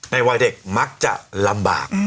วัยเด็กมักจะลำบาก